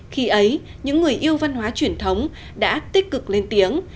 khi ấy những người yêu văn hóa truyền thống đã tích cực lên tiếng